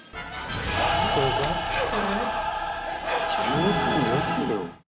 冗談よせよ。